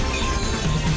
terima kasih pak pak